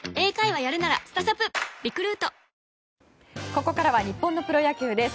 ここからは日本のプロ野球です。